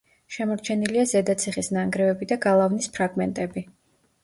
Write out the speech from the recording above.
შემორჩენილია ზედა ციხის ნანგრევები და გალავნის ფრაგმენტები.